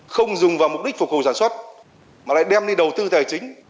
không dùng vào mục đích phục hồi sản xuất mà lại đem đi đầu tư tài chính